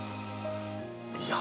いや